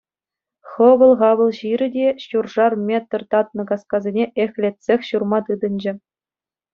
Хӑпӑл-хапӑл ҫирӗ те ҫуршар метр татнӑ каскасене эхлетсех ҫурма тытӑнчӗ.